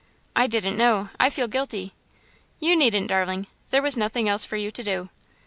"I didn't know I feel guilty." "You needn't, darling. There was nothing else for you to do.